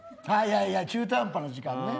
中途半端な時間ね。